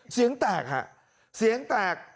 เสียงแตกฮะเสียงแตก